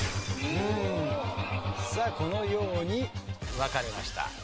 さあこのように分かれました。